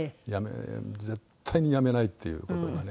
絶対に辞めないっていう事がね。